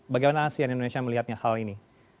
bagaimana sih yang indonesia melihatnya hal ini